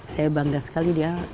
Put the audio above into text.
saya bangga sekali dia